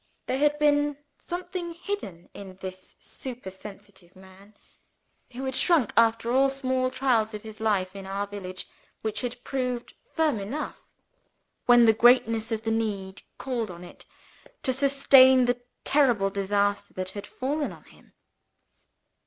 There had been something hidden in this supersensitive man, who had shrunk under all the small trials of his life in our village, which had proved firm enough, when the greatness of the need called on it, to sustain the terrible disaster that had fallen on him.